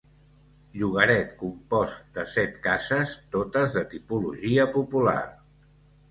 Llogaret compost de set cases, totes de tipologia popular.